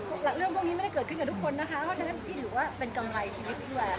เรื่องพวกนี้ไม่ได้เกิดขึ้นกับทุกคนนะคะเพราะฉะนั้นพี่ถือว่าเป็นกำไรชีวิตพี่แวร์